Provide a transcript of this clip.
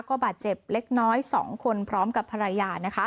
ก็บาดเจ็บเล็กน้อย๒คนพร้อมกับภรรยานะคะ